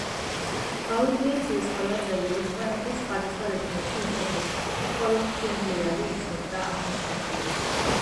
აუდიენციის ყველა წევრი ესპანეთის სხვადასხვა რეგიონში იმყოფებოდა, მხოლოდ ფუენლეალი იცნობდა ახალ მსოფლიოს.